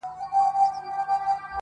o کاروان تېرېږي، سپي غپېږي!